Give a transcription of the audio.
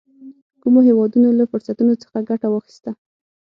کومو هېوادونو له فرصتونو څخه ګټه واخیسته.